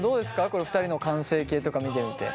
これ２人の完成形とか見てみて。